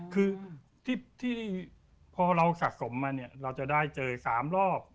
คือที่พอเราสะสมมาเนี่ยเราจะได้เจอ๓รอบ